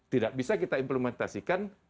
tidak bisa kita implementasikan